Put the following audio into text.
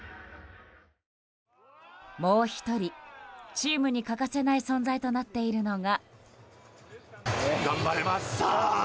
もう１人チームに欠かせない存在となっているのが。